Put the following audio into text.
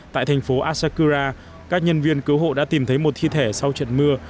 tại thành phố asakura các nhân viên cứu hộ đã tìm thấy một thi thể sau trận mưa